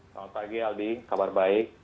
selamat pagi aldi kabar baik